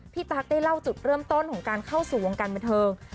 ตั๊กได้เล่าจุดเริ่มต้นของการเข้าสู่วงการบันเทิง